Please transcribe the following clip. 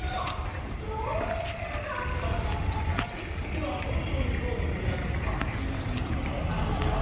ではほんとうにゾウのかげだったのかみんなにみせてあげよう。